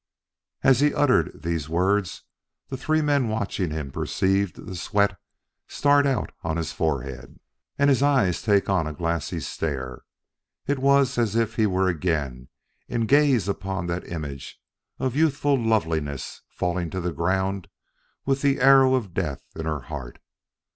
As he uttered these words, the three men watching him perceived the sweat start out on his forehead, and his eyes take on a glassy stare. It was as if he were again in gaze upon that image of youthful loveliness falling to the ground with the arrow of death in her heart.